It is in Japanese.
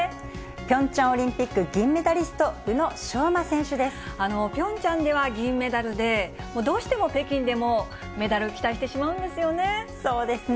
ピョンチャンオリンピック銀ピョンチャンでは銀メダルで、どうしても北京でもメダル期待してしまうんですよね。